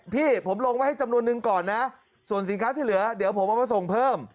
พี่ผมลงไว้ให้จำนวนนึงก่อนนะส่วนสินค้าที่เหลือเดี๋ยวผมเอามาส่งเพิ่ม